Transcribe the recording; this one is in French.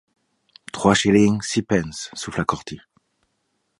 Trois shillings six pence… souffla Corty.